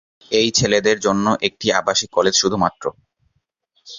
এই ছেলেদের জন্য একটি আবাসিক কলেজ শুধুমাত্র।